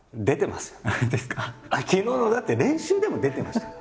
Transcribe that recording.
昨日のだって練習でも出てましたから。